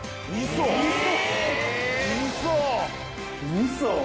みそ！